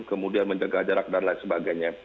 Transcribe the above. kemudian menjaga jarak dan lain sebagainya